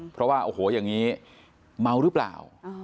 เพราะว่าโอ้โหอย่างนี้เมาหรือเปล่า